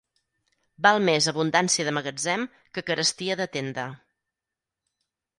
Val més abundància de magatzem que carestia de tenda.